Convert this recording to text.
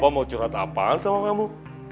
mau curhat apaan sama kamu